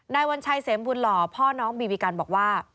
วัญชัยเสมบุญหล่อพ่อน้องบีบีกันบอกว่า